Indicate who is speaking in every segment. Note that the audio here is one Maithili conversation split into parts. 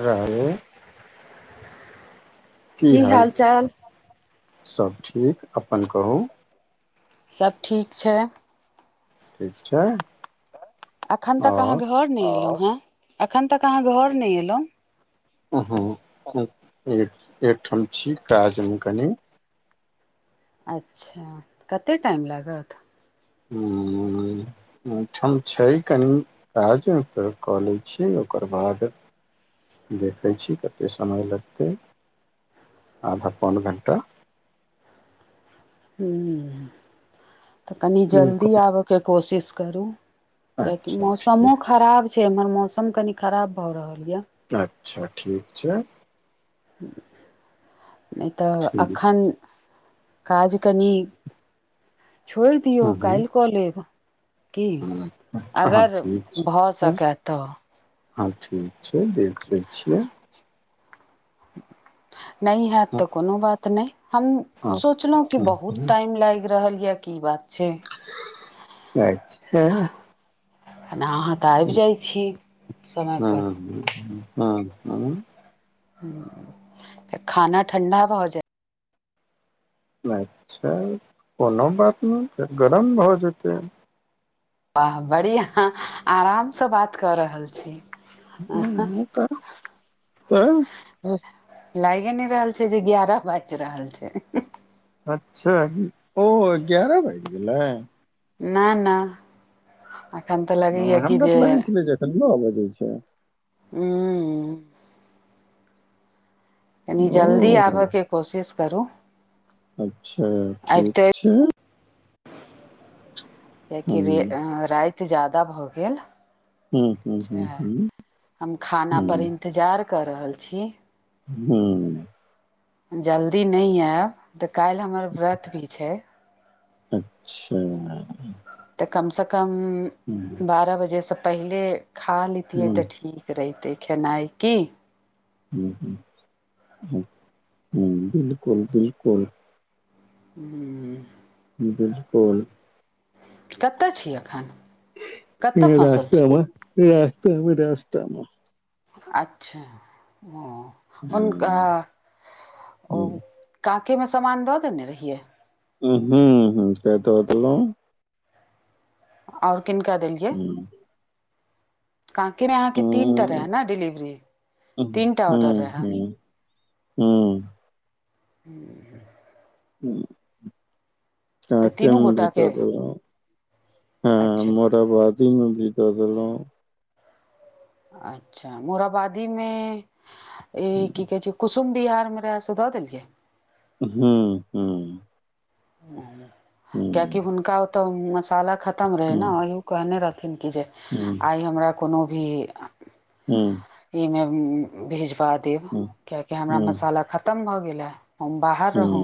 Speaker 1: रऽ ई। की हाल सभ ठीक अपन कहू
Speaker 2: सब ठीक छै
Speaker 1: ठीक छै
Speaker 2: अखन तक अहाँ
Speaker 1: आओर
Speaker 2: घर नहि एलहुं हें अखन तक अहाँ घर नय एलहुं
Speaker 1: एकठाम छी काजमे कनी
Speaker 2: अच्छा कते टाइम लागत
Speaker 1: ह ओठाम छै कनि काज उपर कऽ ले छीयै ओकर बाद देखैत छी कतेक समय लगतै आधा पौन घण्टा
Speaker 2: ह तऽ कनि
Speaker 1: की
Speaker 2: जल्दी
Speaker 1: कह-
Speaker 2: आबयके कोशिश करू कियकि
Speaker 1: अच्छा
Speaker 2: मौसमो
Speaker 1: ठीक
Speaker 2: खराब छै एम्हर मौसम कनि खराब भऽ रहल यए
Speaker 1: अच्छा ठीक छै
Speaker 2: नै तऽ
Speaker 1: ठीक
Speaker 2: एखन काज कनि छोड़ि दियौ
Speaker 1: हँ
Speaker 2: काल कऽ लेब की
Speaker 1: हँ अहाँ
Speaker 2: अगर
Speaker 1: ठीक
Speaker 2: भऽ
Speaker 1: छै
Speaker 2: सकए तऽ
Speaker 1: हँ ठीक छै देख ले छियै
Speaker 2: ह [inaudible] नहि होइत
Speaker 1: हँ
Speaker 2: तऽ कोनो बात नहि, हम
Speaker 1: हँ
Speaker 2: सोचलहुँ कि
Speaker 1: हँ,
Speaker 2: बहुत
Speaker 1: हँ,
Speaker 2: टाइम लागि रहल छै। की बात छै
Speaker 1: अचछा
Speaker 2: आ अहाँ तऽ आबि जाइत छी समय पर।
Speaker 1: हँ हँ ह
Speaker 2: ह खाना ठण्डा भहुत जाय
Speaker 1: अच्छा कोनो बात नै छै गरम भऽ जेतै
Speaker 2: ब बढ़ि आराम से बात कऽ रहल छी
Speaker 1: ह तऽ त
Speaker 2: हूं लागे नय रहल छै जे ग्यारह बैज रहल छै
Speaker 1: अच्छा ओ एगारह बाइज गेलै
Speaker 2: ना ना आ
Speaker 1: हँ हमरा तऽ लगै छलै जे एखन लो बजै छै
Speaker 2: हू कनि
Speaker 1: ओ
Speaker 2: जल्दी आबयके कोशिश करू
Speaker 1: अच्छा
Speaker 2: आबिते
Speaker 1: ठीक छै
Speaker 2: कियकि
Speaker 1: हम
Speaker 2: रे राति जादा भऽ गेल
Speaker 1: हूँ हूँ हूँ
Speaker 2: सेहै
Speaker 1: हूँ
Speaker 2: हम खाना
Speaker 1: हूँ
Speaker 2: पर इन्तजार कऽ रहल छी
Speaker 1: हु
Speaker 2: जल्दी नै आयब तऽ काल्हि हमर व्रत भी छै
Speaker 1: अच्छा
Speaker 2: तऽ कम से कम
Speaker 1: हूँ
Speaker 2: बारह बजे से पहिले खा लतियै
Speaker 1: हूँ
Speaker 2: तऽ ठीक रहितै खेनाइ की
Speaker 1: हूँ हूँ हूँ बिलकुल बिलकुल
Speaker 2: हू
Speaker 1: बिलकुल
Speaker 2: कतय छी एखन कतऽ
Speaker 1: ह
Speaker 2: फँसल छी
Speaker 1: रास्तमे तमे रास्तमे
Speaker 2: अच्छा ओ हुनका
Speaker 1: हूँ
Speaker 2: ओ काके मे सामान दऽ देने रहिये
Speaker 1: उ हूँ हूँ कत देलौ
Speaker 2: और किनका देलियै काँाकीमे अहाँके तीनटा रहै ने डिलिवरी तीन टा ऑर्डर रहै
Speaker 1: हँ
Speaker 2: हू
Speaker 1: ह क
Speaker 2: तऽ तीनू
Speaker 1: कमे भच
Speaker 2: गोटाके
Speaker 1: दे रह ह
Speaker 2: अच्छा
Speaker 1: मोराबादी मे भी दऽ देलहुँ
Speaker 2: अच्छा मोराबादी मे ई की कहे छै कुछ तुम बिहार मे रहै से दऽ देलियै
Speaker 1: हँ हँ
Speaker 2: क्याकि हुनका तऽ मसाला खरा खतम रहै ने, कहने रहथिन कि जे आइ हमरा कोनो भी
Speaker 1: हँ
Speaker 2: ईमे भिजवा देब कियकि हमरा मसाला खतम भऽ गेल ह हम बाहर रहौ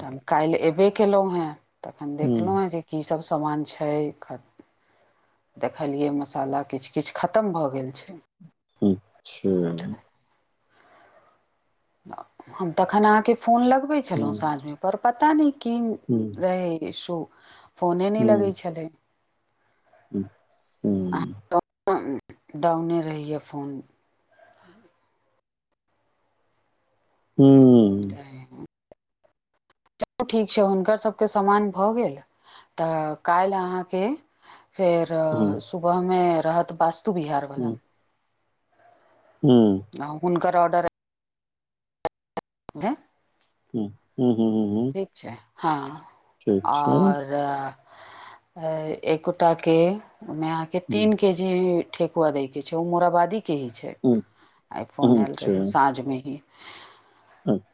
Speaker 2: तऽ हम काल्हि अयबे कयलहुँ है तखन देखलहुँ है जे की सब सामान छै ख देखलियै मसाला किछ किछ खतम भऽ गेल छै
Speaker 1: अच्छा
Speaker 2: हम तखन अहाँके फोन लगबै छलहुँ साँझ मे पर पता नहि की
Speaker 1: हू
Speaker 2: अ श फोने नी लगै छले डाउने रहय फोन
Speaker 1: हूँ
Speaker 2: त ठीक छै हुनकर सबके समान भऽ गेल तऽ काल्हि अहाँके फेर
Speaker 1: हूँ
Speaker 2: सुबह मे रहत वास्तु बिहार वला
Speaker 1: हूँ
Speaker 2: हुनकर ऑर्डर हे
Speaker 1: ह हू हू हू
Speaker 2: ठीक छै हँ ओर ह एकोटा के माय के तीन के जे ठेेकुआ दै के छै ओ मोराबादी के ठीक आइ फोन आयल रहै साँझ मे ही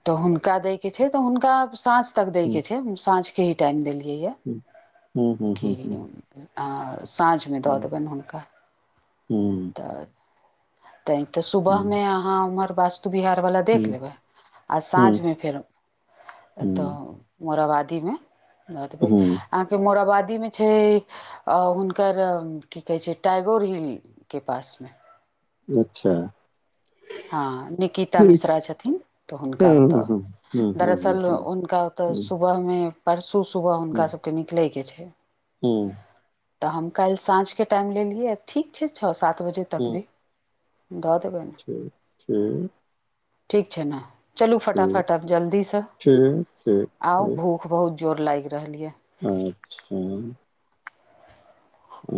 Speaker 2: तऽ हुनका दय के छै तऽ हुनका साँझ तक दय के छै साँझ के ही टाइम देलियै य कि अ साँझमे दऽ देबन हुनका तऽ तै तऽ सुबह मे अहाँ उम्हर वास्तु बिहारवला देख लेबै आ साँझ मे फेर ए तऽ मोराबादी मे एतबे अहाँ के मोराबादी में छै हुनकर की कहै छै टाइगोर हिल के पास मे
Speaker 1: अच्छा
Speaker 2: हँ निकिता मिश्रा छथिन तऽ
Speaker 1: है,
Speaker 2: हुनका
Speaker 1: हम्म,
Speaker 2: ओतय
Speaker 1: हम्म, हम्म, हम्म,
Speaker 2: दरअसल
Speaker 1: हम्म,
Speaker 2: हुनका ओतय सुबह में परसू सुबह हुनका सभके निकलैके छै
Speaker 1: ओ
Speaker 2: तऽ हम काल्हि साँझके टाइम लेलियै आ ठीक छै छओ सात बजे तक
Speaker 1: हम्म,
Speaker 2: भी दऽ देबनि
Speaker 1: ठीक छैठीक
Speaker 2: ठीक छै ने चलू
Speaker 1: ठीक,
Speaker 2: फटाफट आब जल्दी से
Speaker 1: ठीक, ठीक,
Speaker 2: आउ
Speaker 1: ठीक,
Speaker 2: भूख ख बहुत जोर लागि रहल यऽ
Speaker 1: अच्छा आ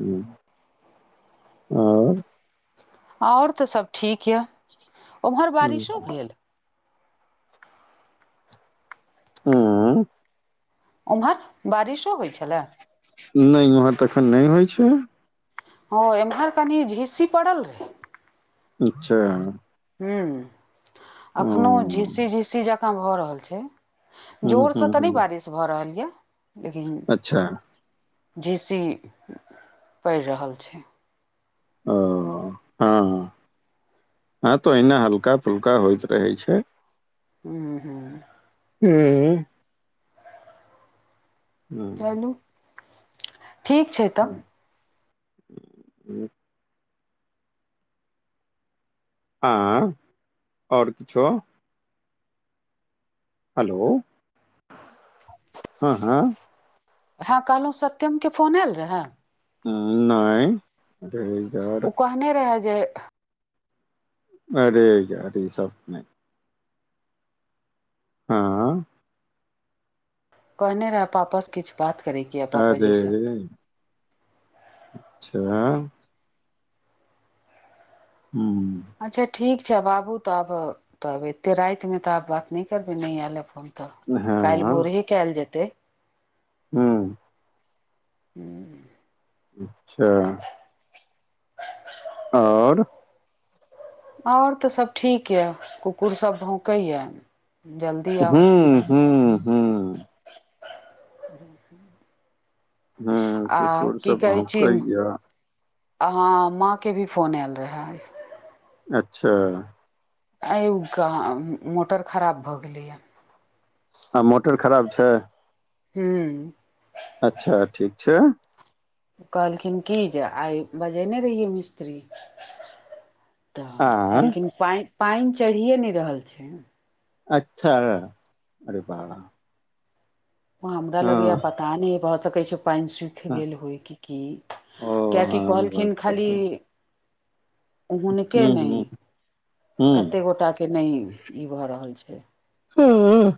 Speaker 1: हू
Speaker 2: ओर तऽ सभ ठीक यए उम्हर
Speaker 1: हम्म,
Speaker 2: बारिशो भेल
Speaker 1: हँ
Speaker 2: ओम्हर बारिशो होइत छलए
Speaker 1: नै ओम्हर तऽ एखन नहि होइ छै
Speaker 2: ह एम्हर कनी झिसी पड़ल रहै
Speaker 1: अच्छा
Speaker 2: हू एखनो झिस्सी झिस्सी जकाँ भऽ रहल छै
Speaker 1: हम्म,
Speaker 2: जोरसँ
Speaker 1: हम्म,
Speaker 2: तऽ नहि
Speaker 1: हम्म,
Speaker 2: बारिश भऽ रहल यए लेकिन
Speaker 1: अच्छा
Speaker 2: जे सी पड़ रहल छै
Speaker 1: ओ हँ हँ हाँ तऽ ओहिना हल्का फुल्का होइत रहै छै
Speaker 2: हू हू
Speaker 1: हू हू
Speaker 2: बू ठीक छै तब
Speaker 1: आँ ओर किछो हेलो हँ हँ
Speaker 2: हँ कहलहुँ सत्यमके फोन आयल रहय
Speaker 1: हँ नै अरै यार
Speaker 2: एने रहै जे
Speaker 1: अरे यार सब नहि हँ
Speaker 2: कहने रह पापाँ किछ बात करे क या पापा जी
Speaker 1: अरे
Speaker 2: सब
Speaker 1: अच्छा ह हूँ
Speaker 2: अच्छा ठीक छै बाबू तऽ आब तब एते राइत मे तऽ आब बात नहि करबे नहि आयल फोन तऽ आब काल्हि
Speaker 1: हँ
Speaker 2: भोर ही कयल जेतै
Speaker 1: हूँ
Speaker 2: हूँ
Speaker 1: अच्छा ओर
Speaker 2: ओर तऽ सभ ठीक यऽ कुकुर सभ भौकैए जल्दी आउ
Speaker 1: ह हूँ हूँ
Speaker 2: ह ह [unintelligible]
Speaker 1: हूँ
Speaker 2: आ
Speaker 1: कुकुर
Speaker 2: की
Speaker 1: सब
Speaker 2: कहै छी
Speaker 1: भौंकैया
Speaker 2: अहाँ माँ के भी फोन आयल रहे
Speaker 1: अच्छा
Speaker 2: आय उ कहा मोटर खराब भ गैलेए
Speaker 1: आ मोटर खराब छै
Speaker 2: हू
Speaker 1: अच्छा ठीक छै
Speaker 2: कहलखिन की जे आइ बजनै रहियै मिस्त्री तऽ
Speaker 1: आ
Speaker 2: कहलखिन पानि चढ़ियए ने रहल छै
Speaker 1: अच्छा अरे बाब
Speaker 2: हमरा लगे य पता नहि ह भऽ सकै छै पाननीट गेल होय की की
Speaker 1: ओ ह
Speaker 2: कियाकि
Speaker 1: बात
Speaker 2: कहलखिन
Speaker 1: तऽ
Speaker 2: खाली
Speaker 1: छै ह
Speaker 2: हुनके नै
Speaker 1: ह ह
Speaker 2: कते गोटा के नै ई भऽ रहल छै
Speaker 1: हूँ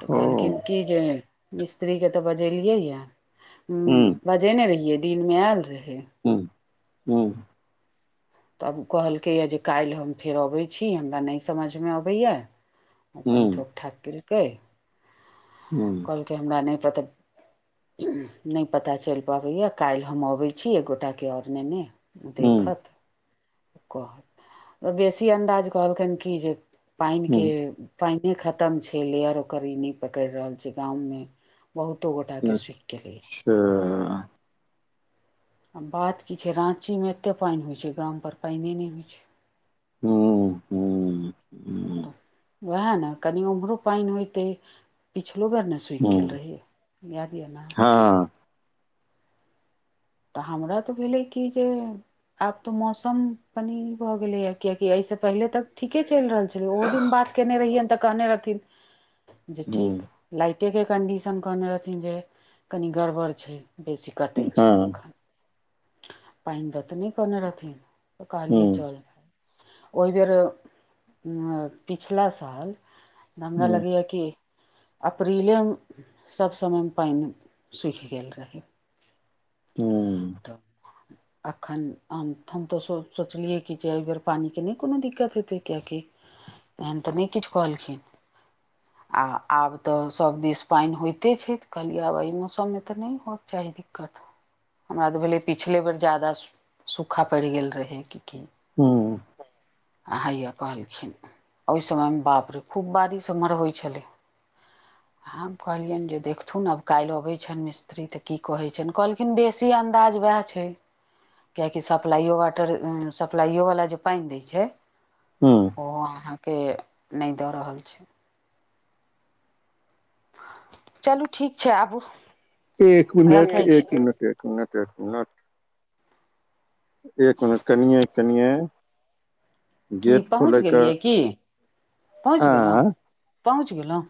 Speaker 2: तऽ कहलखिन की जे मिस्त्रीके तऽ बजेलियै यए हँ
Speaker 1: ह
Speaker 2: बजेने रहियै दिनमे आयल रहै
Speaker 1: हूँ हूँ
Speaker 2: तब कहल कै जे काल्हि हम फेर अबै छी हमरा नै समझमे अबैए
Speaker 1: ह
Speaker 2: अपन ठोक ठाक केलकै
Speaker 1: हूँ
Speaker 2: कहलकै हमरा नै पता नै पता चल पाबैय काल्हि हम अबै छी एकगोटाके ओर नैने
Speaker 1: ह
Speaker 2: देखत कहत बेसी अन्दाज कहलखिन कि जे पानि
Speaker 1: ह
Speaker 2: के पानि खतम छै लेयर ओकर ई नहि पकड़ रहल छै गाँवमे बहुतो गोटा के सुख गेलेे य
Speaker 1: तऽ [unintelligible]
Speaker 2: आ बात की छै राँची मे एते पइन होइत छै गाम पर पइन नै होइ छै
Speaker 1: ह ह ह
Speaker 2: त वएह ने कनि उम्हरो पइन होयते पिछलो बेर ने सु सुखि गेल रहियए याद यऽ ने
Speaker 1: हँ
Speaker 2: तऽ हमरा तऽ भेलै कि जे आब तो मौसम पनी भऽ गेले या कियकि से पहले तक ठीके चल रहल छै लए ओहो दिन बात केयने रहियैनि तऽ कहने रहथिन जे ठीक लाइटे के कन्डीशन कहने रहथिन जे कनि गड़बड़ छै बेसी कटै छै पाइन द त नै कहने रहथिन तऽ कहलिए चल ओ बेर पिछला साल हमरा लगैए कि अप्रीलेमे सब समयमे पाइन सुखि गेल रहै
Speaker 1: हू
Speaker 2: तऽ अखन हम तऽ सोचलियै कि जे एहि बेर पनिके नहि कोनो दिक्कत होेतै कियकि एन तऽ नै किछ कहलखिन ओर आब तऽ सभ दिश पानि होइते छै तऽ कहलियै आब एहि मौसममे तऽ नहि होयके चाही दिक्कत हमरा तऽ भेले पिछले बेर जादा सूखा पैड़ गेल रहे की की
Speaker 1: हूँ
Speaker 2: आ हैया कहलखिन ओहि समयमे बाप रे खूब बारीसँमर होइत छलै हम कहलियन जे देखथुन आब काल्हि आबे छन मिस्त्री तऽ की कहे छन कल देसी अन्दाज वएह छै किएकि सप्लाइयो वाटर सप्लाइयो वला जे पानि दै छै
Speaker 1: हँ
Speaker 2: ओहो अहाँके नहि दऽ रहल छै चलू ठीक छै आबू
Speaker 1: एक मिनट
Speaker 2: रखै छी
Speaker 1: एक मिनट एक मिनट एक मिनट एक मिनट कनिय कनिये
Speaker 2: की
Speaker 1: गेट
Speaker 2: पहुँच
Speaker 1: खोले के
Speaker 2: गेलियै की पहुँच
Speaker 1: आ
Speaker 2: गेलहुँ पहुँच गेलहुँ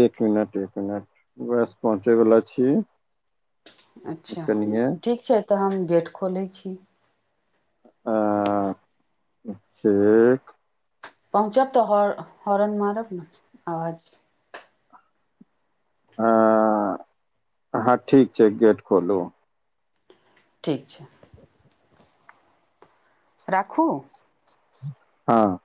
Speaker 1: एक मिनट एक मिनट बस पहुँचे वाला छीये
Speaker 2: अच्छा ठीक छै तऽ हम गेट खोलै छी
Speaker 1: आ ठीक
Speaker 2: पहुँचब तऽ हॉरन मारब ने आवाज
Speaker 1: हँ ठीक छै गेट खोलूँ
Speaker 2: ठीक छै राखू
Speaker 1: हँ